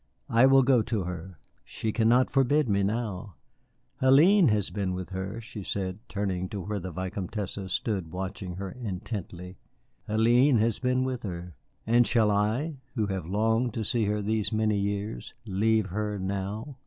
I will go to her. She cannot forbid me now. Hélène has been with her," she said, turning to where the Vicomtesse stood watching her intently. "Hélène has been with her. And shall I, who have longed to see her these many years, leave her now?"